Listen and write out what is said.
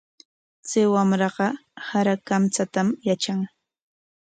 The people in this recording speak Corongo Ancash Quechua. Chay wamraqa sara kamchatam yatran.